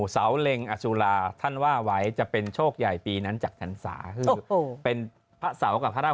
เพราะว่ารู้จักอาจารย์ช้าง